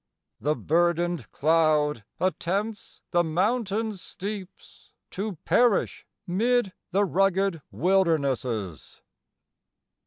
"The burdened cloud attempts the mountain steeps, To perish 'mid the rugged wildernesses."